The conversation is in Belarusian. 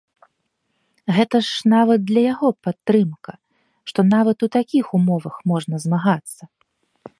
Гэта ж нават для яго падтрымка, што нават у такіх умовах можна змагацца.